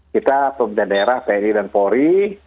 kita pemerintahan daerah ferry dan pory